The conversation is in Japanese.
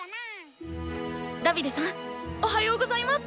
ダヴィデさんおはようございます！